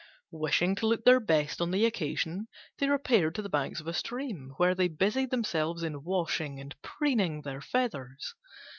Wishing to look their best on the occasion they repaired to the banks of a stream, where they busied themselves in washing and preening their feathers.